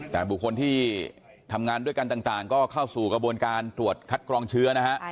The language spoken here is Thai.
แต่บุคคลที่ทำงานด้วยกันต่างก็เข้าสู่กระบวนการตรวจคัดกรองเชื้อนะฮะ